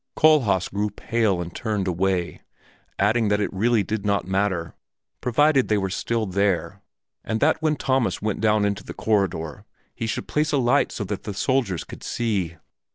Kohlhaas grew pale and turned away, adding that it really did not matter, provided they were still there, and that when Thomas went down into the corridor he should place a light so that the soldiers could see.